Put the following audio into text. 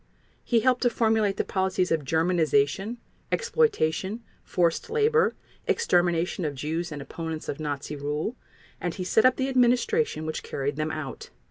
He helped to formulate the policies of Germanization, exploitation, forced labor, extermination of Jews and opponents of Nazi rule, and he set up the administration which carried them out.